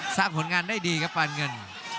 สร้างผลงานได้ดีครับอันเงิน